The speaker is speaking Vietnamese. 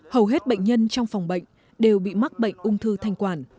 hầu hết bệnh nhân trong phòng bệnh đều bị mắc bệnh ung thư